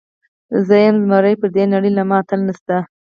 زۀ يم زمری پر دې نړۍ له ما اتل نيشته